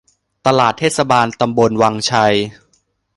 ตลาดเทศบาลตำบลวังชัย